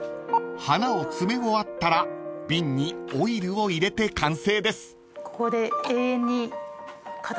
［花を詰め終わったら瓶にオイルを入れて完成です］